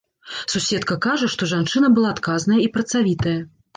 Суседка кажа, што жанчына была адказная і працавітая.